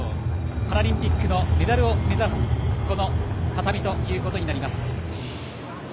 パラリンピックのメダルを目指すこの畳ということになります。